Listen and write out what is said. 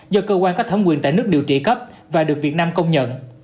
do cơ quan có thẩm quyền tại nước điều trị cấp và được việt nam công nhận